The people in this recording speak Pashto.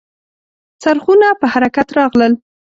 څرخونه په حرکت راغلل .